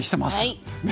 はい。